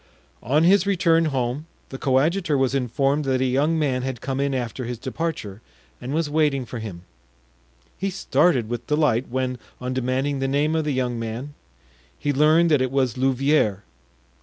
On his return home the coadjutor was informed that a young man had come in after his departure and was waiting for him; he started with delight when, on demanding the name of this young man, he learned that it was Louvieres.